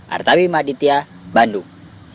artawi maditya bandung